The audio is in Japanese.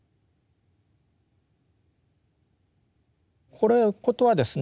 これのことはですね